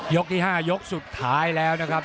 ที่๕ยกสุดท้ายแล้วนะครับ